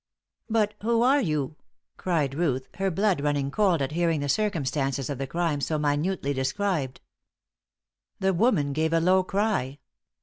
"But who are you?" cried Ruth, her blood running cold at hearing the circumstances of the crime so minutely described. The woman gave a low cry.